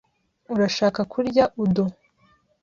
Urashaka kurya udon?